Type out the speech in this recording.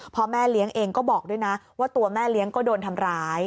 พ่อแม่เลี้ยงเองก็บอกด้วยนะว่าตัวแม่เลี้ยงก็โดนทำร้าย